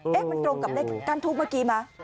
มันตรงกับเลขกั้นทูบเมื่อกี้ไหม